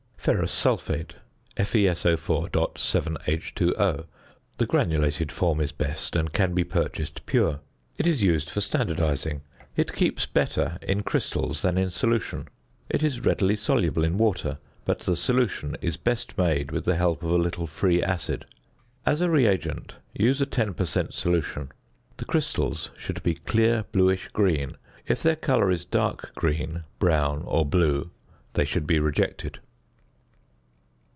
~Ferrous Sulphate~, FeSO_.7H_O. The granulated form is best, and can be purchased pure. It is used for standardising. It keeps better in crystals than in solution. It is readily soluble in water, but the solution is best made with the help of a little free acid. As a re agent use a 10 per cent. solution. The crystals should be clear bluish green; if their colour is dark green, brown, or blue, they should be rejected.